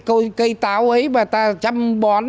cái cây táo ấy mà ta chăm bón